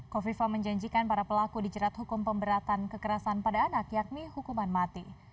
kofifa menjanjikan para pelaku dijerat hukum pemberatan kekerasan pada anak yakni hukuman mati